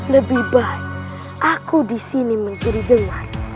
lebih baik aku di sini mencuri dewan